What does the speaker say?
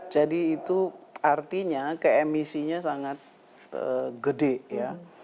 jadi itu artinya keemisinya sangat gede ya